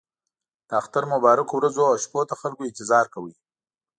د اختر د مبارکو ورځو او شپو ته خلکو انتظار کاوه.